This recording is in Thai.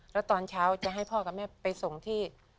แล้วตอนเช้าจะให้พ่อกับแม่ไปส่งที่